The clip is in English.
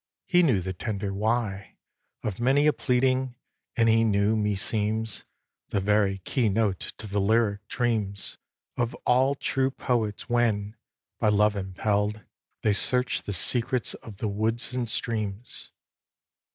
He knew the tender "why" Of many a pleading, and he knew, meseems, The very key note to the lyric dreams Of all true poets when, by love impell'd, They search the secrets of the woods and streams.